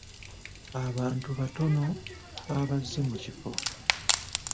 Abantu batono abazze mu kifo.